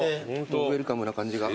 ウエルカムな感じが。